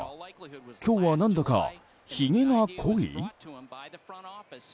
今日は何だかひげが濃い？